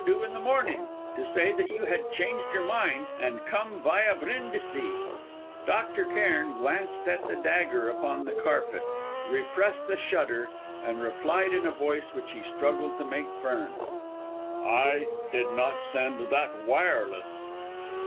due in the morning, to say that you had changed your mind, and come via Brindisi." Dr. Cairn glanced at the dagger upon the carpet, repressed a shudder, and replied in a voice which he struggled to make firm: "I did not send that wireless!"